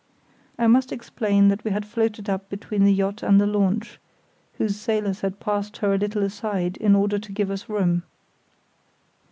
I must explain that we had floated up between the yacht and the launch, whose sailors had passed her a little aside in order to give us room.